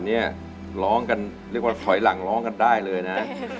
เรียกว่าถอยหลังร้องกันได้เลยนะ